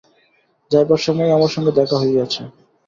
যাইবার সময়ও আমার সঙ্গে দেখা হইয়াছে।